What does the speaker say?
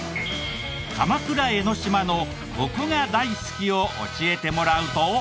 「鎌倉・江の島のココが大好き！」を教えてもらうと。